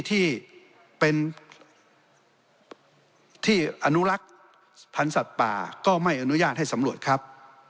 ที่เป็นที่อนุรักษ์พันธุ์สัตว์ป่าก็ไม่อนุญาตให้สำรวจครับ